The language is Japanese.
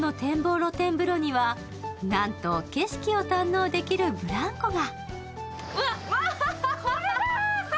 露天風呂にはなんと景色を堪能できるブランコがうわこれだ！